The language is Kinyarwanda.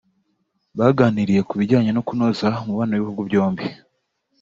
baganiriye ku bijyanye no kunoza umubano w’ibihugu byombi